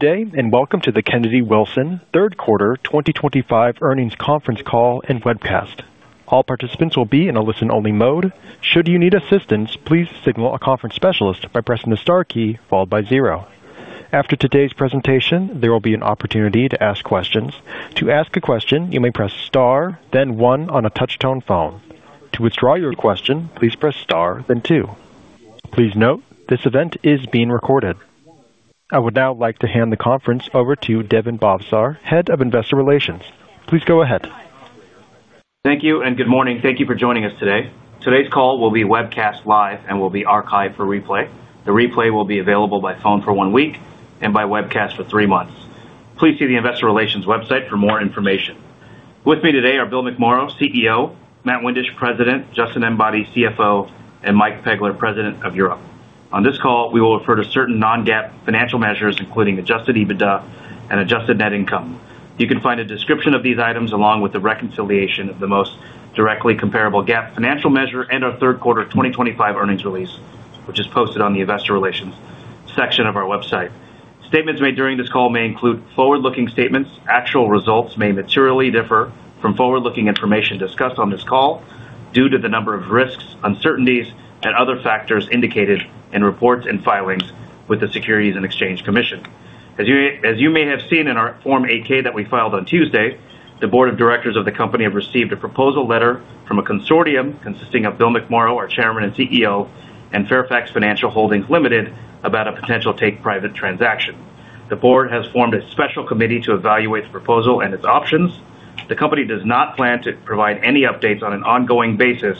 Today, and welcome to the Kennedy-Wilson Q3 2025 earnings conference call and webcast. All participants will be in a listen-only mode. Should you need assistance, please signal a conference specialist by pressing the star key followed by zero. After today's presentation, there will be an opportunity to ask questions. To ask a question, you may press star, then one on a touch-tone phone. To withdraw your question, please press star, then two. Please note, this event is being recorded. I would now like to hand the conference over to Deven Bhavsar, Head of Investor Relations. Please go ahead. Thank you, and good morning. Thank you for joining us today. Today's call will be webcast live and will be archived for replay. The replay will be available by phone for one week and by webcast for three months. Please see the Investor Relations website for more information. With me today are Bill McMorrow, CEO; Matt Windisch, President; Justin Enbody, CFO; and Mike Pegler, President of Europe. On this call, we will refer to certain non-GAAP financial measures, including adjusted EBITDA and adjusted net income. You can find a description of these items along with the reconciliation of the most directly comparable GAAP financial measure and our Q3 2025 earnings release, which is posted on the Investor Relations section of our website. Statements made during this call may include forward-looking statements. Actual results may materially differ from forward-looking information discussed on this call due to the number of risks, uncertainties, and other factors indicated in reports and filings with the Securities and Exchange Commission. As you may have seen in our Form 8-K that we filed on Tuesday, the Board of Directors of the company have received a proposal letter from a consortium consisting of Bill McMorrow, our Chairman and CEO, and Fairfax Financial Holdings Limited about a potential take-private transaction. The Board has formed a special committee to evaluate the proposal and its options. The company does not plan to provide any updates on an ongoing basis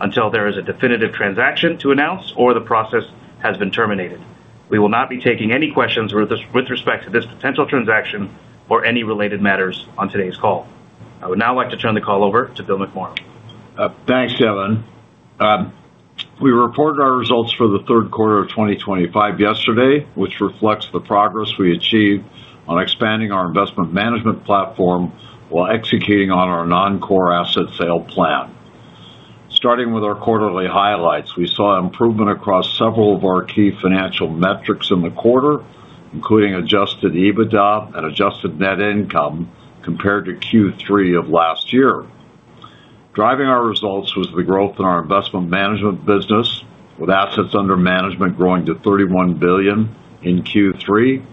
until there is a definitive transaction to announce or the process has been terminated. We will not be taking any questions with respect to this potential transaction or any related matters on today's call. I would now like to turn the call over to Bill McMorrow. Thanks, Deven. We reported our results for Q3 2025 yesterday, which reflects the progress we achieved on expanding our investment management platform while executing on our non-core asset sale plan. Starting with our quarterly highlights, we saw improvement across several of our key financial metrics in the quarter, including adjusted EBITDA and adjusted net income compared to Q3 of last year. Driving our results was the growth in our investment management business, with assets under management growing to $31 billion in Q3,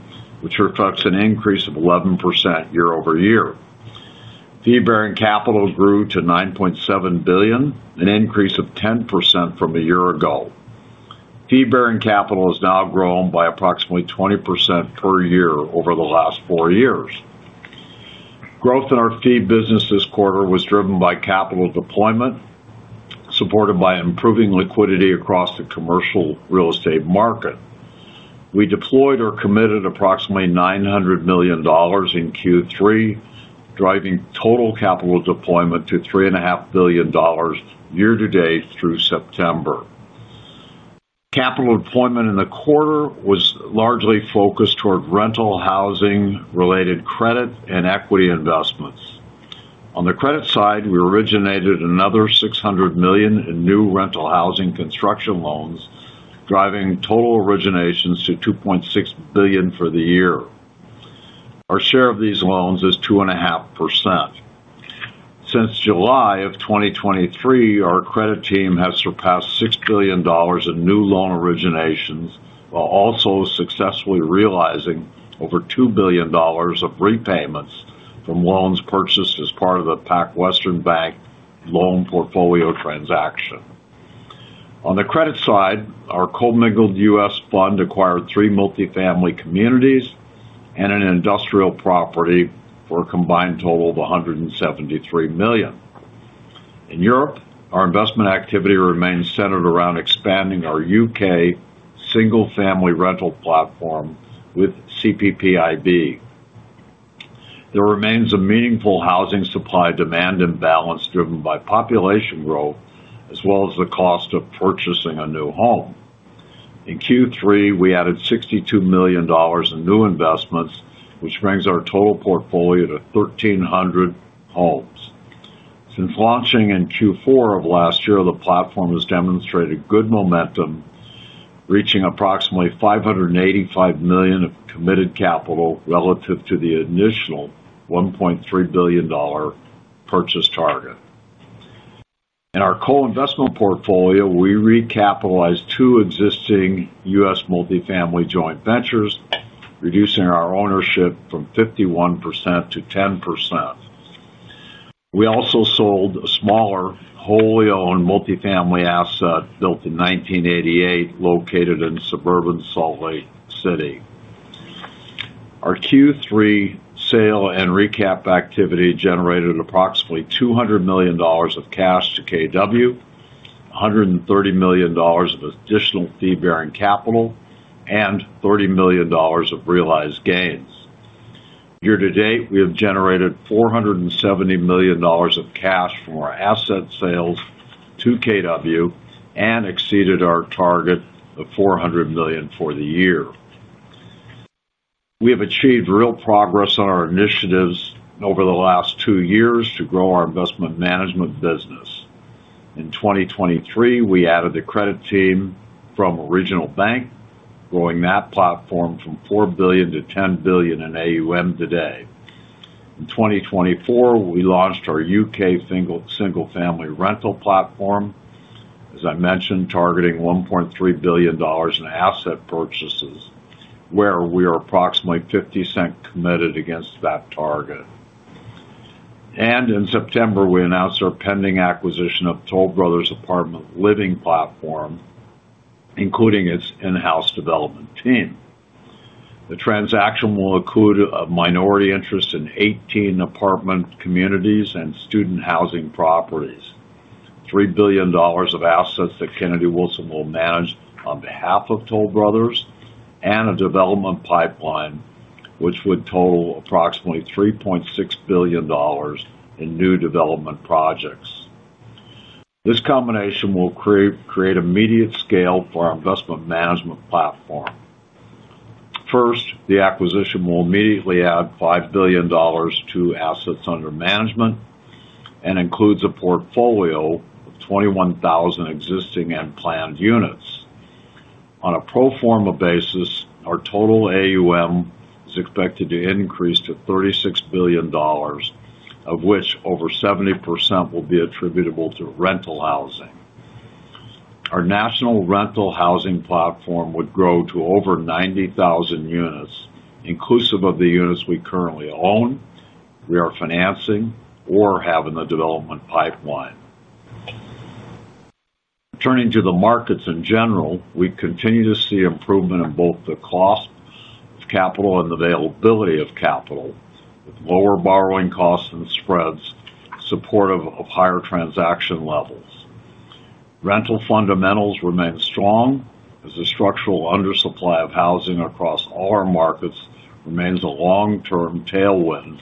which reflects an increase of 11% year over year. Fee-bearing capital grew to $9.7 billion, an increase of 10% from a year ago. Fee-bearing capital has now grown by approximately 20% per year over the last four years. Growth in our fee business this quarter was driven by capital deployment, supported by improving liquidity across the commercial real estate market. We deployed or committed approximately $900 million in Q3, driving total capital deployment to $3.5 billion year-to-date through September. Capital deployment in the quarter was largely focused toward rental housing-related credit and equity investments. On the credit side, we originated another $600 million in new rental housing construction loans, driving total originations to $2.6 billion for the year. Our share of these loans is 2.5%. Since July of 2023, our credit team has surpassed $6 billion in new loan originations, while also successfully realizing over $2 billion of repayments from loans purchased as part of the PacWest Bancorp loan portfolio transaction. On the credit side, our co-mingled U.S. fund acquired three multifamily communities and an industrial property for a combined total of $173 million. In Europe, our investment activity remains centered around expanding our UK single-family rental platform with CPPIB. There remains a meaningful housing supply-demand imbalance driven by population growth, as well as the cost of purchasing a new home. In Q3, we added $62 million in new investments, which brings our total portfolio to 1,300 homes. Since launching in Q4 of last year, the platform has demonstrated good momentum, reaching approximately $585 million of committed capital relative to the initial $1.3 billion purchase target. In our co-investment portfolio, we recapitalized two existing US multifamily joint ventures, reducing our ownership from 51% to 10%. We also sold a smaller wholly owned multifamily asset built in 1988, located in suburban Salt Lake City. Our Q3 sale and recap activity generated approximately $200 million of cash to Kennedy-Wilson, $130 million of additional fee-bearing capital, and $30 million of realized gains. Year-to-date, we have generated $470 million of cash from our asset sales to Kennedy-Wilson and exceeded our target of $400 million for the year. We have achieved real progress on our initiatives over the last two years to grow our investment management business. In 2023, we added the credit team from Original Bank, growing that platform from $4 billion to $10 billion in AUM today. In 2024, we launched our U.K. single-family rental platform. As I mentioned, targeting $1.3 billion in asset purchases, where we are approximately 50% committed against that target. In September, we announced our pending acquisition of Toll Brothers Apartment Living platform, including its in-house development team. The transaction will include a minority interest in 18 apartment communities and student housing properties, $3 billion of assets that Kennedy-Wilson will manage on behalf of Toll Brothers, and a development pipeline which would total approximately $3.6 billion. In new development projects. This combination will create immediate scale for our investment management platform. First, the acquisition will immediately add $5 billion to assets under management. It includes a portfolio of 21,000 existing and planned units. On a pro forma basis, our total AUM is expected to increase to $36 billion, of which over 70% will be attributable to rental housing. Our national rental housing platform would grow to over 90,000 units, inclusive of the units we currently own, we are financing, or have in the development pipeline. Turning to the markets in general, we continue to see improvement in both the cost of capital and availability of capital, with lower borrowing costs and spreads supportive of higher transaction levels. Rental fundamentals remain strong as the structural undersupply of housing across all our markets remains a long-term tailwind,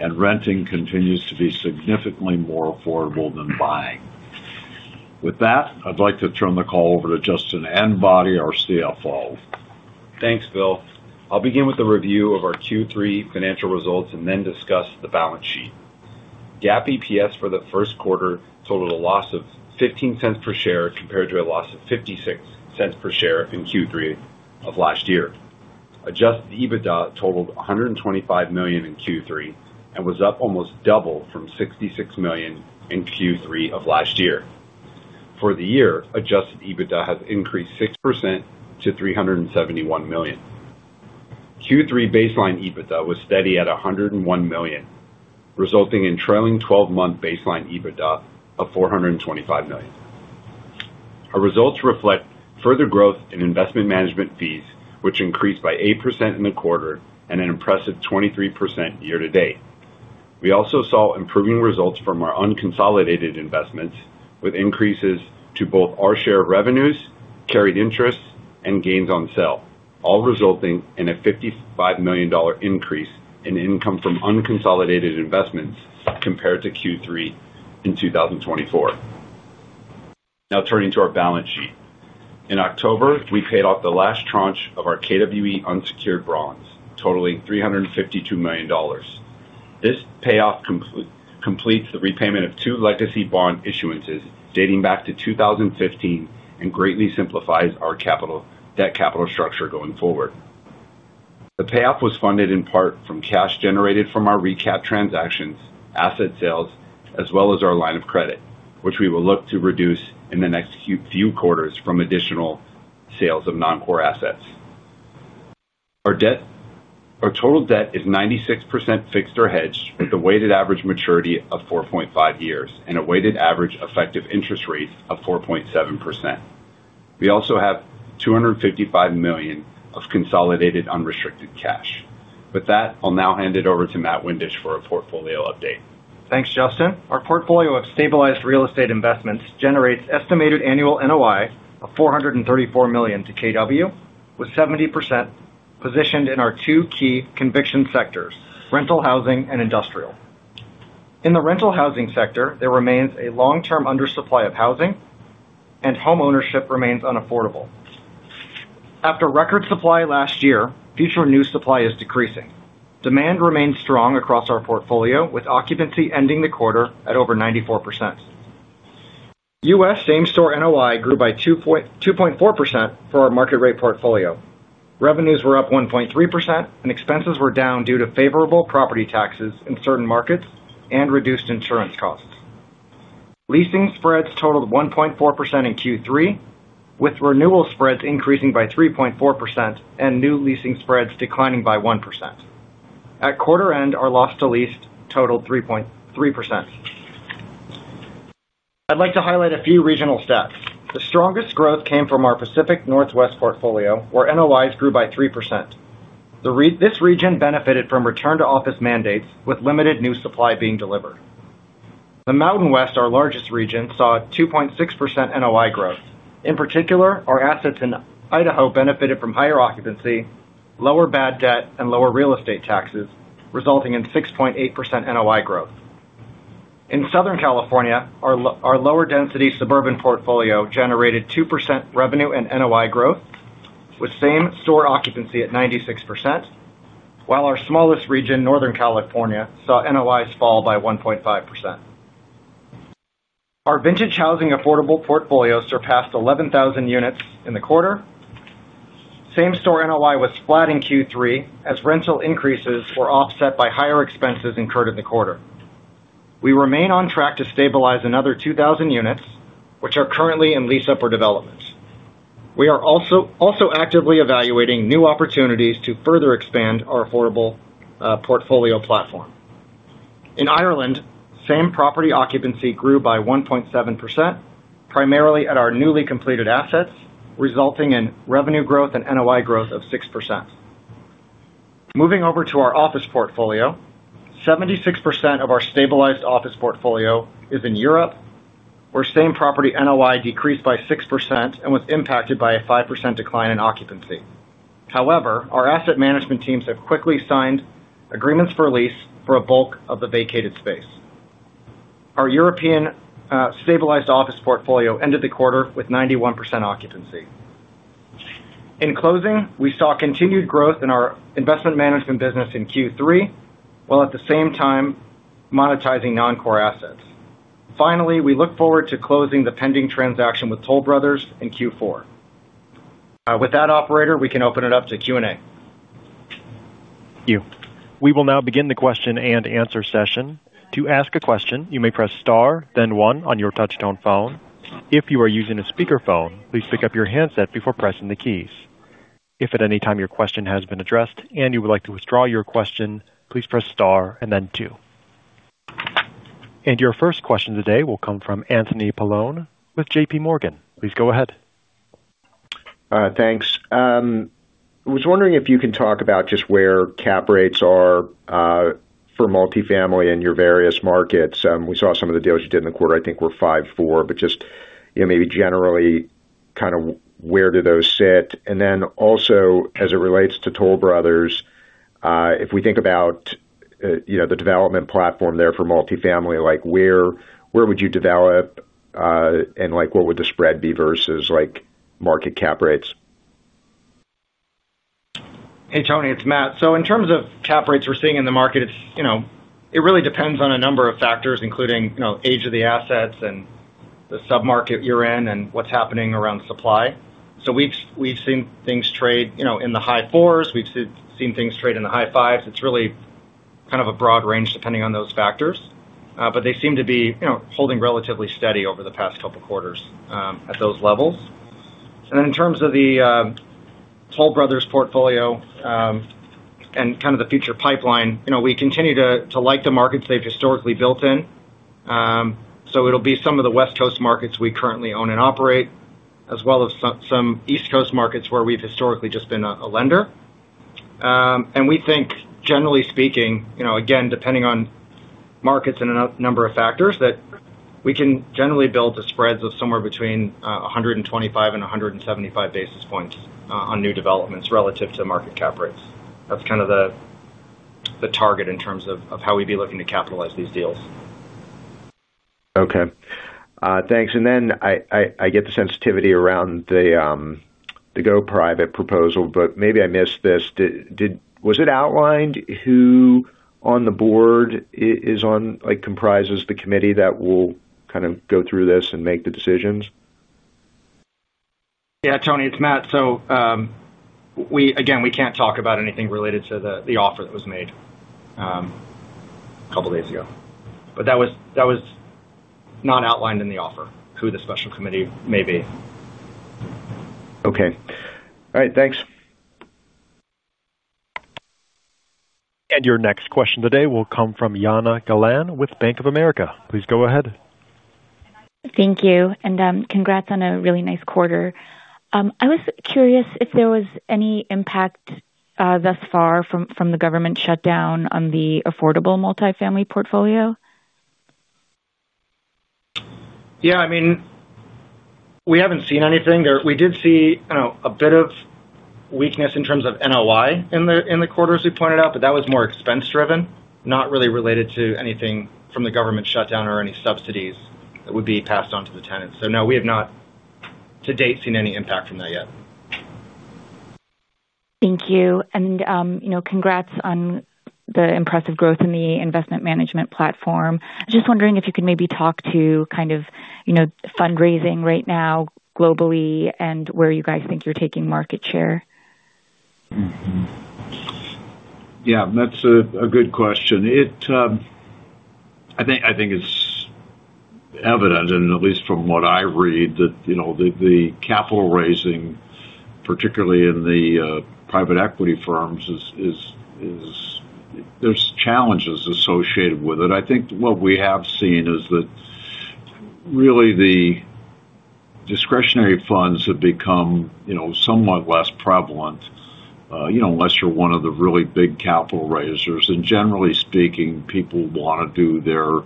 and renting continues to be significantly more affordable than buying. With that, I'd like to turn the call over to Justin Enbody, our CFO. Thanks, Bill. I'll begin with a review of our Q3 financial results and then discuss the balance sheet. GAAP EPS for the Q3 totaled a loss of $0.15 per share compared to a loss of $0.56 per share in Q3 of last year. Adjusted EBITDA totaled $125 million in Q3 and was up almost double from $66 million in Q3 of last year. For the year, adjusted EBITDA has increased 6% to $371 million. Q3 baseline EBITDA was steady at $101 million, resulting in trailing 12-month baseline EBITDA of $425 million. Our results reflect further growth in investment management fees, which increased by 8% in the quarter and an impressive 23% year-to-date. We also saw improving results from our unconsolidated investments, with increases to both our share of revenues, carried interests, and gains on sale, all resulting in a $55 million increase in income from unconsolidated investments compared to Q3 in 2024. Now turning to our balance sheet. In October, we paid off the last tranche of our KWE unsecured bonds, totaling $352 million. This payoff completes the repayment of two legacy bond issuances dating back to 2015 and greatly simplifies our debt capital structure going forward. The payoff was funded in part from cash generated from our recap transactions, asset sales, as well as our line of credit, which we will look to reduce in the next few quarters from additional sales of non-core assets. Our total debt is 96% fixed or hedged, with a weighted average maturity of 4.5 years and a weighted average effective interest rate of 4.7%. We also have $255 million of consolidated unrestricted cash. With that, I'll now hand it over to Matt Windisch for a portfolio update. Thanks, Justin. Our portfolio of stabilized real estate investments generates estimated annual NOI of $434 million to KW, with 70% positioned in our two key conviction sectors: rental housing and industrial. In the rental housing sector, there remains a long-term undersupply of housing, and homeownership remains unaffordable. After record supply last year, future new supply is decreasing. Demand remains strong across our portfolio, with occupancy ending the quarter at over 94%. US same-store NOI grew by 2.4% for our market-rate portfolio. Revenues were up 1.3%, and expenses were down due to favorable property taxes in certain markets and reduced insurance costs. Leasing spreads totaled 1.4% in Q3, with renewal spreads increasing by 3.4% and new leasing spreads declining by 1%. At quarter-end, our loss to lease totaled 3.3%. I'd like to highlight a few regional stats. The strongest growth came from our Pacific Northwest portfolio, where NOIs grew by 3%. This region benefited from return-to-office mandates, with limited new supply being delivered. The Mountain West, our largest region, saw 2.6% NOI growth. In particular, our assets in Idaho benefited from higher occupancy, lower bad debt, and lower real estate taxes, resulting in 6.8% NOI growth. In Southern California, our lower-density suburban portfolio generated 2% revenue and NOI growth, with same-store occupancy at 96%. While our smallest region, Northern California, saw NOIs fall by 1.5%. Our vintage housing affordable portfolio surpassed 11,000 units in the quarter. Same-store NOI was flat in Q3, as rental increases were offset by higher expenses incurred in the quarter. We remain on track to stabilize another 2,000 units, which are currently in lease-up or development. We are also actively evaluating new opportunities to further expand our affordable portfolio platform. In Ireland, same-property occupancy grew by 1.7%, primarily at our newly completed assets, resulting in revenue growth and NOI growth of 6%. Moving over to our office portfolio, 76% of our stabilized office portfolio is in Europe, where same-property NOI decreased by 6% and was impacted by a 5% decline in occupancy. However, our asset management teams have quickly signed agreements for lease for a bulk of the vacated space. Our European stabilized office portfolio ended the quarter with 91% occupancy. In closing, we saw continued growth in our investment management business in Q3, while at the same time monetizing non-core assets. Finally, we look forward to closing the pending transaction with Toll Brothers in Q4. With that, operator, we can open it up to Q&A. Thank you. We will now begin the question and answer session. To ask a question, you may press star, then one on your touch-tone phone. If you are using a speakerphone, please pick up your handset before pressing the keys. If at any time your question has been addressed and you would like to withdraw your question, please press star and then two. Your first question today will come from Anthony Paolone with JPMorgan. Please go ahead. Thanks. I was wondering if you can talk about just where cap rates are for multifamily in your various markets. We saw some of the deals you did in the quarter, I think, were 5.4%, but just maybe generally kind of where do those sit? Also, as it relates to Toll Brothers, if we think about the development platform there for multifamily, where would you develop, and what would the spread be versus market cap rates? Hey, Tony, it's Matt. In terms of cap rates we're seeing in the market, it really depends on a number of factors, including age of the assets and the sub-market you're in and what's happening around supply. We've seen things trade in the high 4s. We've seen things trade in the high 5s. It's really kind of a broad range depending on those factors. They seem to be holding relatively steady over the past couple of quarters at those levels. In terms of the Toll Brothers portfolio and the future pipeline, we continue to like the markets they've historically built in. It will be some of the West Coast markets we currently own and operate, as well as some East Coast markets where we've historically just been a lender. We think, generally speaking, again, depending on. Markets and a number of factors, that we can generally build the spreads of somewhere between 125 and 175 basis points on new developments relative to market cap rates. That's kind of the target in terms of how we'd be looking to capitalize these deals. Okay. Thanks. I get the sensitivity around the Go Private proposal, but maybe I missed this. Was it outlined who on the board comprises the committee that will kind of go through this and make the decisions? Yeah, Tony, it's Matt. Again, we can't talk about anything related to the offer that was made a couple of days ago. That was not outlined in the offer, who the special committee may be. Okay. All right. Thanks. Your next question today will come from Jana Galan with Bank of America. Please go ahead. Thank you. Congrats on a really nice quarter. I was curious if there was any impact thus far from the government shutdown on the affordable multifamily portfolio. Yeah. I mean, we haven't seen anything. We did see a bit of weakness in terms of NOI in the quarters we pointed out, but that was more expense-driven, not really related to anything from the government shutdown or any subsidies that would be passed on to the tenants. So no, we have not to date seen any impact from that yet. Thank you. Congrats on the impressive growth in the investment management platform. Just wondering if you could maybe talk to, kind of, fundraising right now globally and where you guys think you're taking market share. Yeah. That's a good question. I think it's evident, and at least from what I read, that the capital raising, particularly in the private equity firms, there's challenges associated with it. I think what we have seen is that really the discretionary funds have become somewhat less prevalent, unless you're one of the really big capital raisers. Generally speaking, people want to do their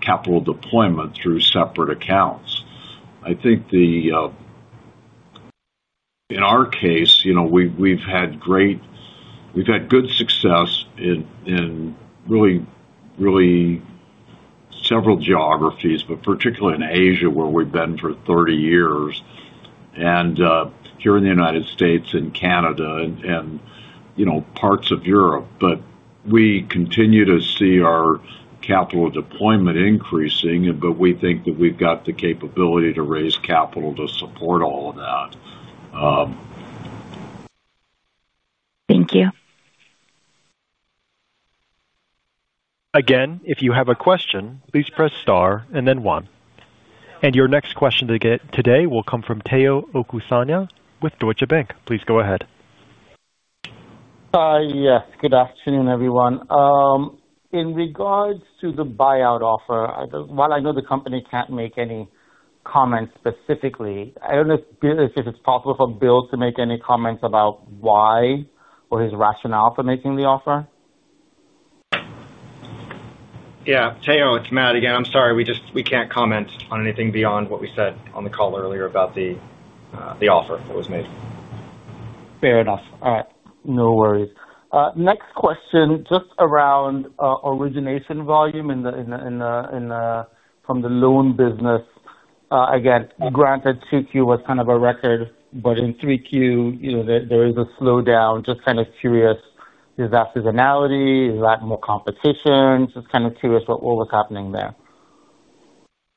capital deployment through separate accounts. I think in our case, we've had good success in really several geographies, but particularly in Asia, where we've been for 30 years, and here in the United States and Canada and parts of Europe. We continue to see our capital deployment increasing, but we think that we've got the capability to raise capital to support all of that. Thank you. Again, if you have a question, please press star and then one. Your next question today will come from Tayo Okusanya with Deutsche Bank. Please go ahead. Yes. Good afternoon, everyone. In regards to the buyout offer, while I know the company can't make any comments specifically, I don't know if it's possible for Bill to make any comments about why or his rationale for making the offer. Yeah. Tayo, it's Matt again. I'm sorry. We can't comment on anything beyond what we said on the call earlier about the offer that was made. Fair enough. All right. No worries. Next question, just around origination volume from the loan business. Again, granted, 2Q was kind of a record, but in 3Q, there is a slowdown. Just kind of curious. Is that seasonality? Is that more competition? Just kind of curious what was happening there.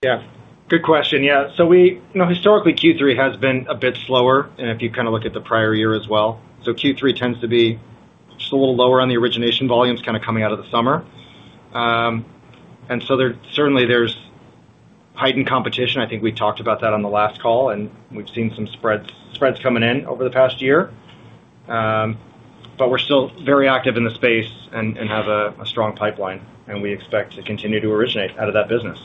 Yeah. Good question. Yeah. Historically, Q3 has been a bit slower, and if you kind of look at the prior year as well. Q3 tends to be just a little lower on the origination volumes, kind of coming out of the summer. Certainly, there is heightened competition. I think we talked about that on the last call, and we have seen some spreads coming in over the past year. We are still very active in the space and have a strong pipeline, and we expect to continue to originate out of that business.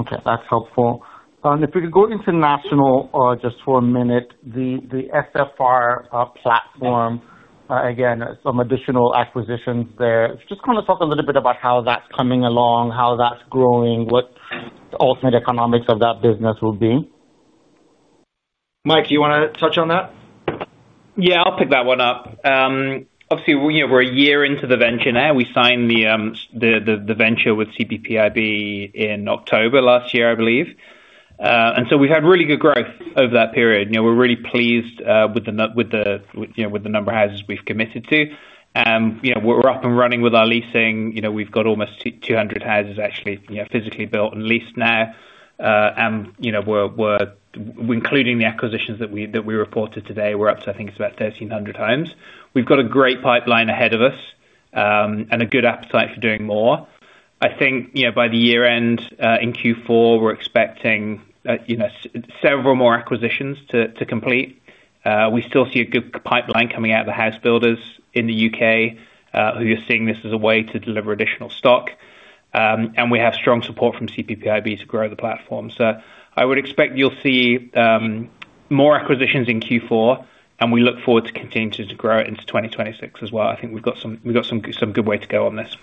Okay. That's helpful. If we could go international just for a minute, the SFR platform. Again, some additional acquisitions there. Just kind of talk a little bit about how that's coming along, how that's growing, what the ultimate economics of that business will be. Mike, do you want to touch on that? Yeah. I'll pick that one up. Obviously, we're a year into the venture now. We signed the venture with CPPIB in October last year, I believe. We've had really good growth over that period. We're really pleased with the number of houses we've committed to. We're up and running with our leasing. We've got almost 200 houses actually physically built and leased now. Including the acquisitions that we reported today, we're up to, I think, it's about 1,300 homes. We've got a great pipeline ahead of us and a good appetite for doing more. I think by the year-end in Q4, we're expecting several more acquisitions to complete. We still see a good pipeline coming out of the house builders in the U.K., who are seeing this as a way to deliver additional stock. We have strong support from CPPIB to grow the platform. I would expect you'll see more acquisitions in Q4, and we look forward to continuing to grow it into 2026 as well. I think we've got some good way to go on this.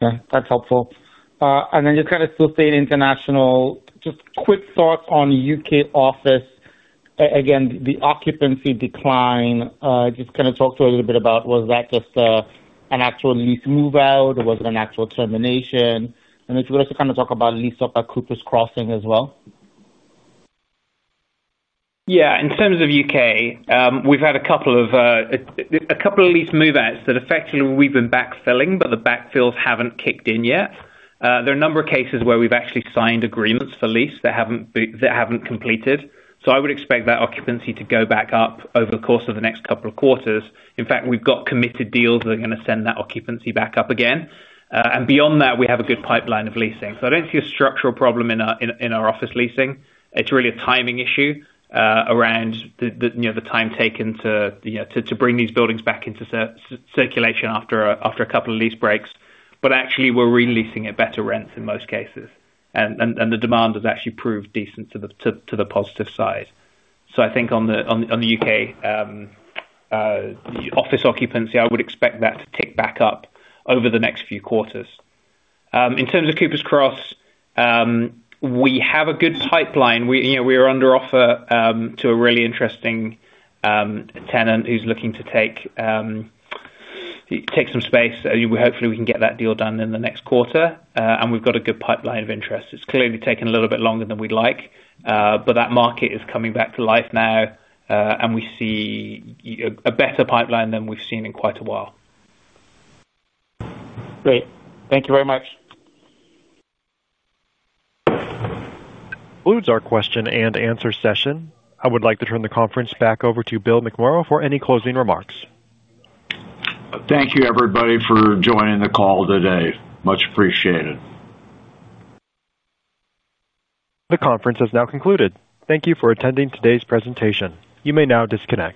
Okay. That's helpful. You kind of still see international. Just quick thoughts on U.K. office. Again, the occupancy decline. Just kind of talk to a little bit about, was that just an actual lease move-out, or was it an actual termination? If you were to kind of talk about lease-up at Cooper's Crossing as well. Yeah. In terms of the U.K., we've had a couple of lease move-outs that effectively we've been backfilling, but the backfills haven't kicked in yet. There are a number of cases where we've actually signed agreements for lease that haven't completed. I would expect that occupancy to go back up over the course of the next couple of quarters. In fact, we've got committed deals that are going to send that occupancy back up again. Beyond that, we have a good pipeline of leasing. I don't see a structural problem in our office leasing. It's really a timing issue around the time taken to bring these buildings back into circulation after a couple of lease breaks. Actually, we're releasing at better rents in most cases. The demand has actually proved decent to the positive side. I think on the U.K. Office occupancy, I would expect that to tick back up over the next few quarters. In terms of Cooper's Cross, we have a good pipeline. We are under offer to a really interesting tenant who's looking to take some space. Hopefully, we can get that deal done in the next quarter. We have got a good pipeline of interest. It has clearly taken a little bit longer than we'd like, but that market is coming back to life now, and we see a better pipeline than we've seen in quite a while. Great. Thank you very much. Close our question and answer session. I would like to turn the conference back over to Bill McMorrow for any closing remarks. Thank you, everybody, for joining the call today. Much appreciated. The conference has now concluded. Thank you for attending today's presentation. You may now disconnect.